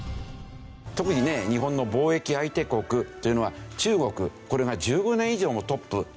特にね日本の貿易相手国というのは中国これが１５年以上もトップというわけですよね。